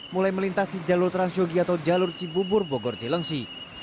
mulai melintasi jalur transyogi atau jalur cibubur bogor cilengsi